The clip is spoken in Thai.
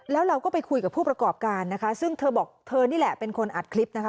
แล้วเราก็ไปคุยกับผู้ประกอบการนะคะซึ่งเธอบอกเธอนี่แหละเป็นคนอัดคลิปนะคะ